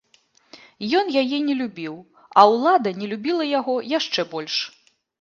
Ён яе не любіў, а ўлада не любіла яго яшчэ больш!